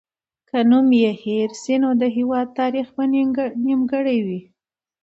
که نوم یې هېر سي، نو د هېواد تاریخ به نیمګړی وي.